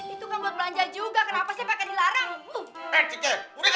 itu kan buat belanja juga kenapa saya pakai dilarang